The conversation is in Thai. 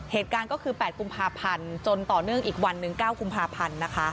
เหตุการณ์ก็คือ๘กุมภาพันธ์จนต่อเนื่องอีกวันหนึ่ง๙กุมภาพันธ์นะคะ